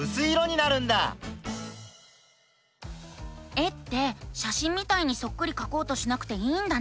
絵ってしゃしんみたいにそっくりかこうとしなくていいんだね。